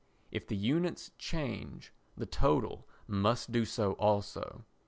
If the units change the total must do so also.